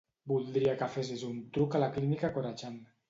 Voldria que fessis un truc a la clínica Corachan.